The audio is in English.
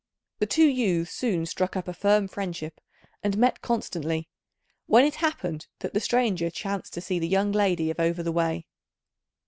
The two youths soon struck up a firm friendship and met constantly, when it happened that the stranger chanced to see the young lady of over the way.